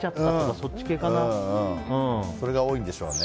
それが多いんでしょうね。